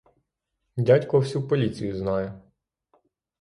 Дядько всю поліцію знає.